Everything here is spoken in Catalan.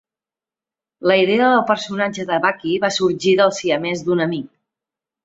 La idea del personatge de Bucky va sorgir del siamès d'un amic.